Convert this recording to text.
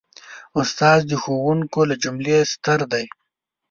استاد د ښوونکو له جملې ستر دی.